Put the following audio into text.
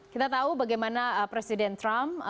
kita tahu bagaimana presiden trump